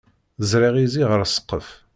Ẓriɣ izi ɣer ssqef